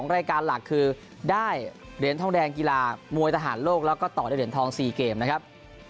รายการหลักคือได้เหรียญทองแดงกีฬามวยทหารโลกแล้วก็ต่อด้วยเหรียญทอง๔เกมนะครับ